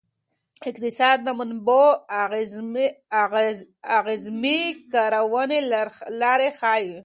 اقتصاد د منابعو اعظمي کارونې لارې ښيي.